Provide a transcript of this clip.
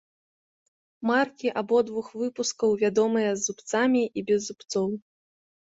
Маркі абодвух выпускаў вядомыя з зубцамі і без зубцоў.